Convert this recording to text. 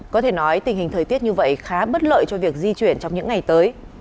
có thể nói tình hình thời tiết như vậy khá bất lợi cho việc di chuyển trong những ngày tới